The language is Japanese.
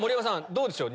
どうでしょう？